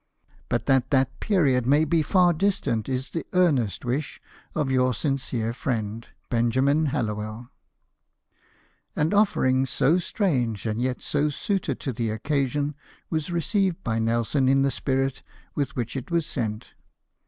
But that that period may be far distant is the earnest wish of your sincere K 2 148 LIFE OF NELkiON. friend, Benjamin Hallowell." An offering so strange, and yet so suited to the occasion, was received by Nelson in the spirit with which it was sent.